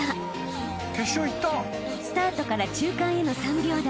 ［スタートから中間への３秒台］